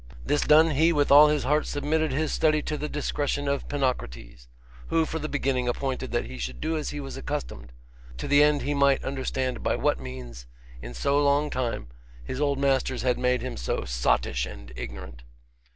This done, he with all his heart submitted his study to the discretion of Ponocrates; who for the beginning appointed that he should do as he was accustomed, to the end he might understand by what means, in so long time, his old masters had made him so sottish and ignorant.